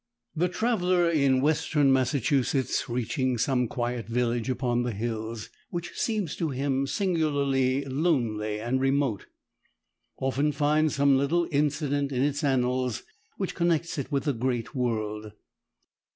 The traveller in western Massachusetts, reaching some quiet village upon the hills, which seems to him singularly lonely and remote, often finds some little incident in its annals which connects it with the great world.